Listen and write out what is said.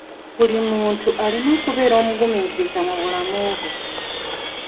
Buli muntu alina okubeera omugumiikiriza mu bulamu bwe.